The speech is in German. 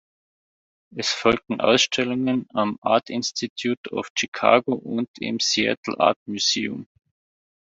Es folgten Ausstellungen am Art Institute of Chicago und im Seattle Art Museum.